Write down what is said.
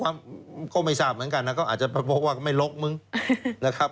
เขาไม่ทราบเหมือนกันนะเขาอาจจะประโยชน์ว่าไม่ลกมึงนะครับ